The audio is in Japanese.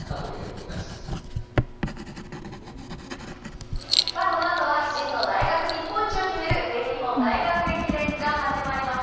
このあとは真の大学日本一を決める全日本大学駅伝が始まります。